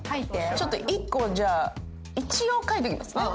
ちょっと１個じゃあ一応書いときますね。